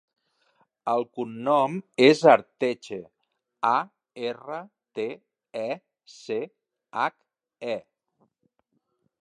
El cognom és Arteche: a, erra, te, e, ce, hac, e.